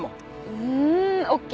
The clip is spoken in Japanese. うーんＯＫ。